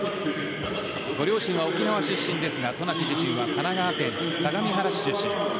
ご両親は沖縄出身ですが渡名喜自身は神奈川県相模原市出身です。